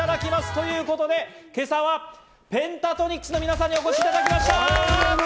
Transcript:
ということで、今朝はペンタトニックスの皆さんにお越しいただきました。